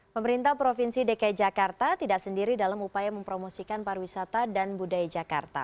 pemerintah provinsi dki jakarta tidak sendiri dalam upaya mempromosikan pariwisata dan budaya jakarta